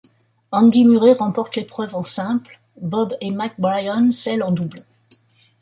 Andy Murray remporte l'épreuve en simple, Bob et Mike Bryan celle en double.